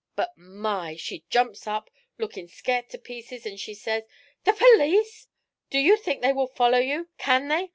But, my! she jumps up, lookin' scairt to pieces, an' she says: '"The perlece! Do you think they will follow you? can they?